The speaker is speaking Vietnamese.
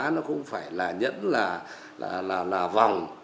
nó không phải là nhẫn là là là là vòng